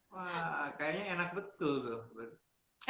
wah kayaknya enak betul